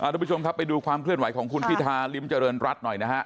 ทุกผู้ชมครับไปดูความเคลื่อนไหวของคุณพิธาริมเจริญรัฐหน่อยนะฮะ